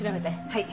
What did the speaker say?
はい。